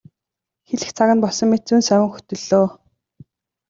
Хэлэх цаг нь болсон мэт зөн совин хөтөллөө.